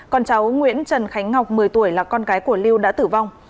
còn cháu nguyễn trần khánh ngọc một mươi tuổi là con gái của lưu đã tử vong